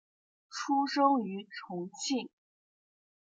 出生于重庆。